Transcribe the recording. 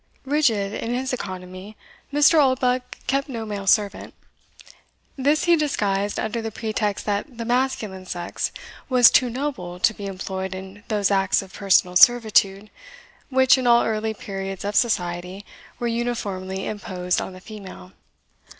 Rigid in his economy, Mr. Oldbuck kept no male servant. This he disguised under the pretext that the masculine sex was too noble to be employed in those acts of personal servitude, which, in all early periods of society, were uniformly imposed on the female.